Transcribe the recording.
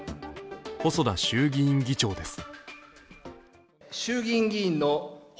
細田衆議院議長です。